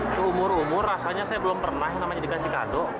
seumur umur rasanya saya belum pernah namanya dikasih kado